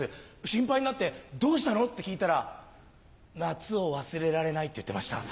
心配になってどうしたの？って聞いたら夏を忘れられないって言ってました。